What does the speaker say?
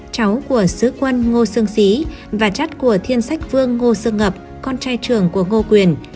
cháu của sứ quân ngô sương xí và chất của thiên sách vương ngô sương ngập con trai trường của ngô quyền